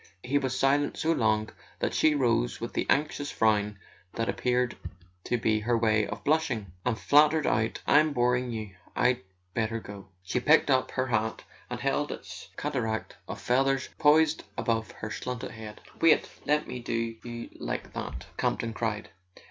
He was silent so long that she rose with the anxious frown that appeared to be her way of blushing, and faltered out: "I'm boring you—I'd better go." She picked up her hat and held its cataract of feathers poised above her slanted head. "Wait—let me do you like that!" Campton cried.